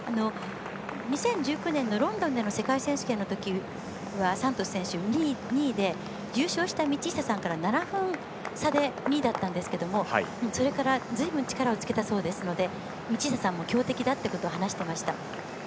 ２０１９年のロンドンでの世界選手権のときはサントス選手２位で優勝した道下さんから７分差で２位だったんですけどそれからずいぶん力をつけたそうですので道下さんも強敵だと話していました。